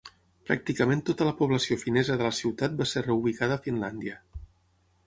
Pràcticament tota la població finesa de la ciutat va ser reubicada a Finlàndia.